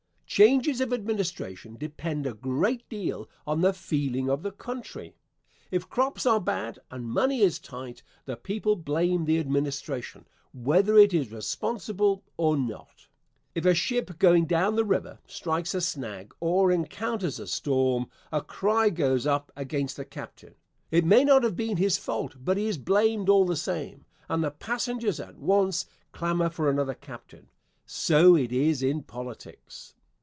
Changes of administration depend a great deal on the feeling of the country. If crops are bad and money is tight, the people blame the administration, whether it is responsible or not. If a ship going down the river strikes a snag, or encounters a storm, a cry goes up against the captain. It may not have been his fault, but he is blamed, all the same, and the passengers at once clamor for another captain. So it is in politics.